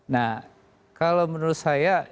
nah kalau menurut saya